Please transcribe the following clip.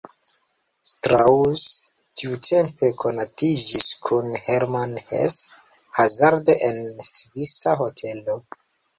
Strauss tiutempe konatiĝis kun Hermann Hesse hazarde en svisa hotelo.